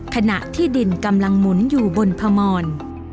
ขณะที่ดินกำลังหมุนอยู่บนพมร